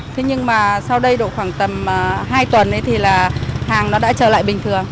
thế nhưng mà sau đây độ khoảng tầm hai tuần thì là hàng nó đã trở lại bình thường